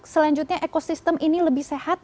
selanjutnya ekosistem ini lebih sehat